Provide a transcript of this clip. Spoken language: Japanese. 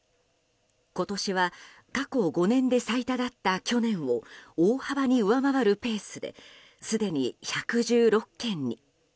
今年は過去５年で最多だった去年を大幅に上回るペースですでに１１６件に。